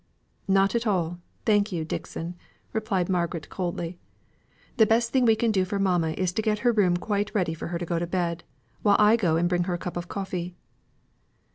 "Not at all, thank you, Dixon," replied Margaret coldly. "The best thing we can do for mamma is to get her room quite ready for her to go to bed, while I go and bring her a cup of coffee."